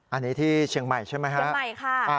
อันนี้ที่เชียงใหม่ใช่ไหมฮะเชียงใหม่ค่ะ